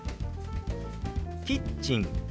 「キッチン」。